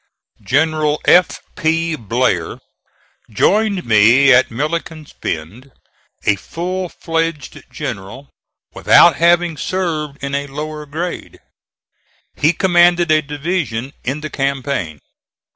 General F. P. Blair joined me at Milliken's Bend a full fledged general, without having served in a lower grade. He commanded a division in the campaign.